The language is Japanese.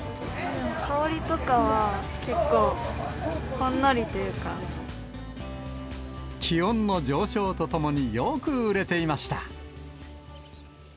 香りとかは結構ほんのりとい気温の上昇とともに、よく売れていました。